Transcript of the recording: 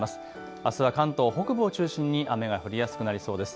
あすは関東北部を中心に雨が降りやすくなりそうです。